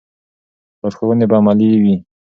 لارښوونې به عملي وي.